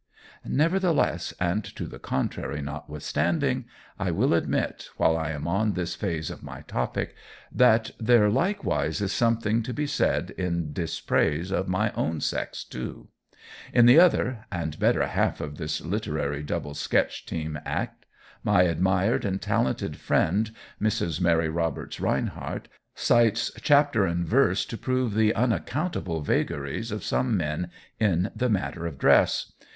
Nevertheless and to the contrary notwithstanding, I will admit while I am on this phase of my topic that there likewise is something to be said in dispraise of my own sex too. In the other and better half of this literary double sketch team act, my admired and talented friend, Mrs. Mary Roberts Rinehart, cites chapter and verse to prove the unaccountable vagaries of some men in the matter of dress.